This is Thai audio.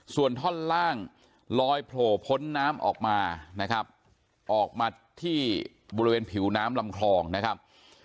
ส่วนท่อนล่างลอยโผล่พ้นน้ำออกมานะครับออกมาที่บริเวณผิวน้ำลำคลองนะครับ